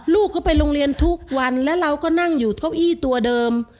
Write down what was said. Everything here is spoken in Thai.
ลูกเขาไปโรงเรียนทุกวันแล้วเราก็นั่งอยู่เก้าอี้ตัวเดิม